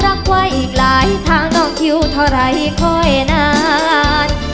รักไว้อีกหลายทางต่อคิวเท่าไรค่อยนาน